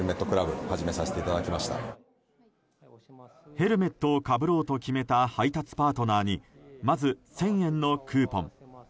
ヘルメットをかぶろうと決めた配達パートナーにまず、１０００円のクーポン。